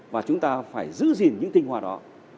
và chúng ta phải giữ gìn những tinh hoa đó